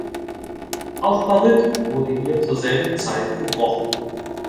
Auch Baryt wurde hier zur selben Zeit gebrochen.